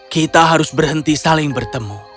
kita harus berhenti saling bertemu